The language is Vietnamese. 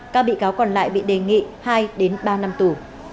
các bị cáo còn lại bị đề nghị hai ba năm tù